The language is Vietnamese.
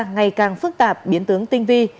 ngày càng phức tạp biến tướng tinh vi